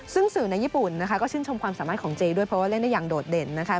ซึ่งสื่อในญี่ปุ่นนะคะก็ชื่นชมความสามารถของเจด้วยเพราะว่าเล่นได้อย่างโดดเด่นนะคะ